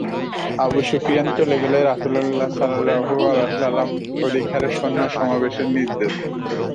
আবু সুফিয়ান চলে গেলে রাসূলুল্লাহ সাল্লাল্লাহু আলাইহি ওয়াসাল্লাম অধিক হারে সৈন্য সমাবেশের নির্দেশ দেন।